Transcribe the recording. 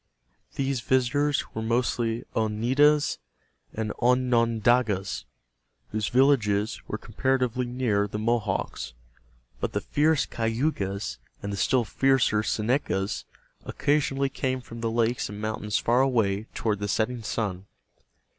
These visitors were mostly Oneidas and Onondagas, whose villages were comparatively near the Mohawks, but the fierce Cayugas and the still fiercer Senecas occasionally came from the lakes and mountains far away toward the setting sun.